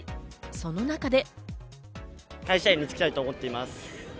その中で。